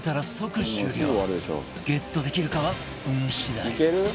ゲットできるかは運次第